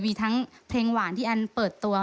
มีทั้งเพลงหวานที่แอนเปิดตัว